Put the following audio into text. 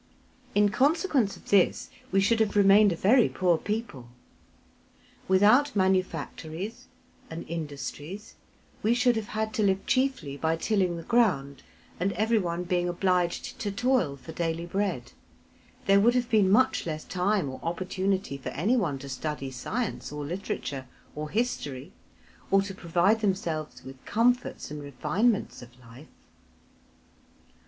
In consequence of this we should have remained a very poor people. Without manufactories and industries we should have had to live chiefly by tilling the ground, and everyone being obliged to toil for daily bread, there would have been much less time or opportunity for anyone to study science, or literature, or history, or to provide themselves with comforts and refinements of life.